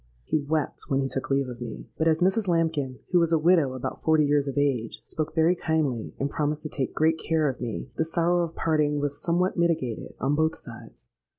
He wept when he took leave of me; but as Mrs. Lambkin (who was a widow, about forty years of age) spoke very kindly, and promised to take great care of me, the sorrow of parting was somewhat mitigated on both sides.